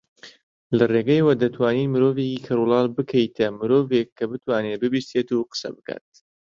لەرێگەیەوە دەتوانین مرۆڤێکی کەڕولاڵ بکەیتە مرۆڤێک کە بتوانێت ببیستێت و قسە بکات